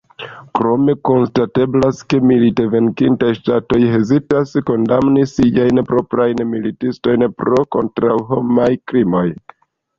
Krome konstateblas, ke milite venkintaj ŝtatoj hezitas kondamni siajn proprajn militistojn pro kontraŭhomaj krimoj.